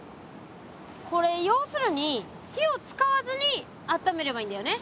これ要するに火を使わずにあっためればいいんだよね？